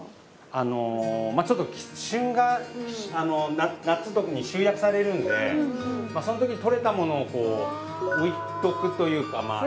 あのまあちょっと旬が夏特に集約されるんでその時にとれたものを置いとくというかまあ